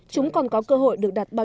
chúng còn có cơ hội được đặt bài